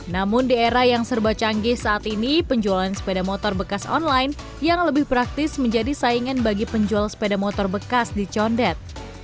namun di era yang serba canggih saat ini penjualan sepeda motor bekas online yang lebih praktis menjadi saingan bagi penjual sepeda motor bekas di condet